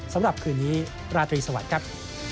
สำหรับคืนนี้ราตรีสวัสดีครับ